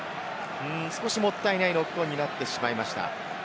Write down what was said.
少しもったいないノックオンになってしまいました。